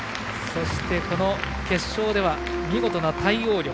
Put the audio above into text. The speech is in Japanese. そして、この決勝では見事な対応力。